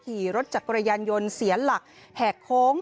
ขี่รถจักรยานยนต์เสียหลักแหกโค้ง